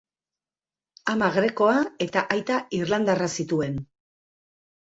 Ama grekoa eta aita irlandarra zituen.